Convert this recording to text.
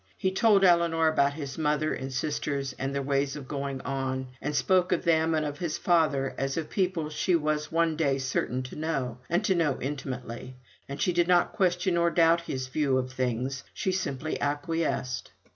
He told Ellinor all about his mother and sisters, and their ways of going on, and spoke of them and of his father as of people she was one day certain to know, and to know intimately; and she did not question or doubt this view of things; she simply acquiesced.